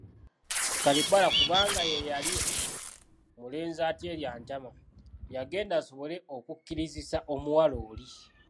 Kalibbala kubanga ye yali mulenzi ateerya ntama, yagenda asobole okukkirizisa omuwala oli.